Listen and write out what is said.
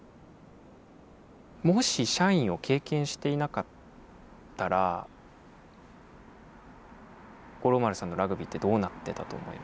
もし社員を経験していなかったら五郎丸さんのラグビーってどうなってたと思いますか？